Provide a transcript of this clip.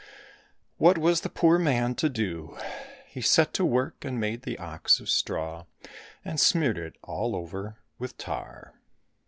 — What was the poor man to do ? He set to work and made the ox of straw, and smeared it all over with tar.